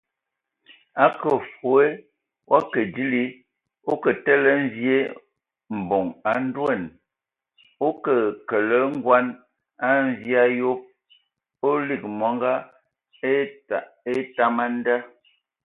Akə fɔɔ o akə dili,o kə tele mvie mbɔn a ndoan, o ke kele ngoan a mvie a yob, o lig mɔngɔ etam a nda !